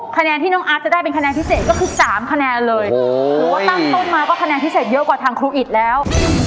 คะแนนที่น้องอาร์ตจะได้เป็นคะแนนพิเศษก็คือ๓คะแนนเลยหรือว่าตั้งต้นมาก็คะแนนพิเศษเยอะกว่าทางครูอิตแล้ว